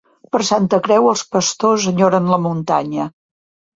Per Santa Creu els pastors enyoren la muntanya.